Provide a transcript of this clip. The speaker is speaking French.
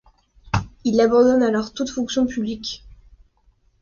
Il abandonne alors toute fonction publique.